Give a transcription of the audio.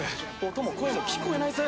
音も声も聞こえないぜ。